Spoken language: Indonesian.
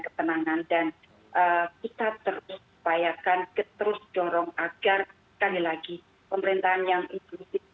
ketenangan dan kita terus upayakan terus dorong agar sekali lagi pemerintahan yang inklusif